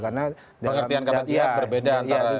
pengertian kata jihad berbeda antara